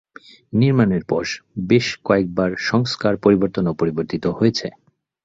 নির্মাণের পর বেশ কয়েকবার সংস্কার, পরিবর্তন ও পরিবর্ধিত হয়েছে।